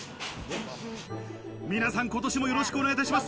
皆さん、今年もよろしくお願いいたします！